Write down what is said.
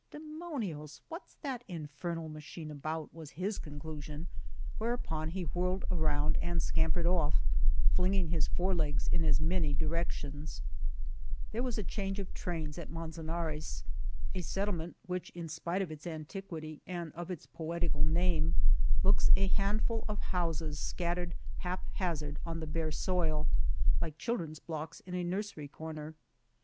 Demonios ! what's that infer nal machine about ?" was his conclusion, whereupon he whirled around and scam pered off, flinging his four legs in as many directions. There was a change of trains at Manzan ares, a settlement which in spite of its an 9 r ^ »S'/r^^/ Vender. On the Road to Argamasilla tiquity and of its poetical name, looks a hand ful of houses scattered hap hazard on the bare soil, like children's blocks in a nursery corner.